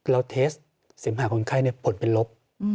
เราเทสต์เสมหาคนไข้เนี่ยผลเป็นลบ